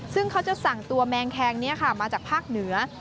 ซึ่งเขาจะสั่งตัวแมงแคงนี้มาจากภาคเหนือ